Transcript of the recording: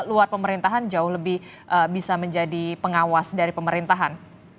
jadi luar pemerintahan jauh lebih bisa menjadi pengawas dari pemerintahan